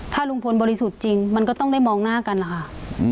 ถ้าลุงพลบริสุทธิ์จริงมันก็ต้องได้มองหน้ากันนะคะ